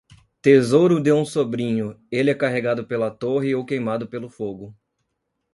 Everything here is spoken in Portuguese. Tesouro de um sobrinho, ele é carregado pela torre ou queimado pelo fogo.